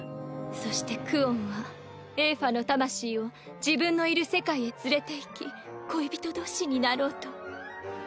そしてクオンはエーファの魂を自分のいる世界へ連れていき恋人同士になろうと。